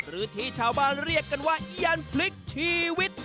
หรือที่ชาวบ้านเรียกกันว่ายันพลิกชีวิต